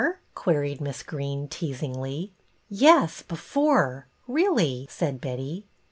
queried Miss Greene, teasingly. "Yes, before; really," said Betty.